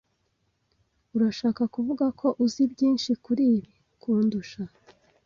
Urashaka kuvuga ko uzi byinshi kuri ibi kundusha?